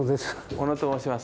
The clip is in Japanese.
小野と申します。